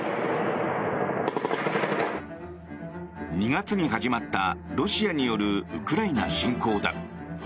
２月に始まったロシアによるウクライナ侵攻だ。